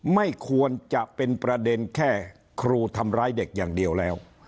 ไม่ควรจะเป็นประเด็นแค่ครูทำร้ายเด็กอย่างเดียวแล้ว